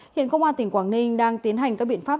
hiện công an tỉnh quảng ninh đang tiến hành các biện pháp